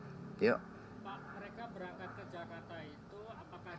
apakah ada yang memberikan uang sekatam itu